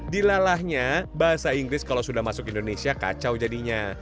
dilalahnya bahasa inggris kalau sudah masuk indonesia kacau jadinya